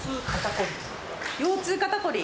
腰痛、肩凝り。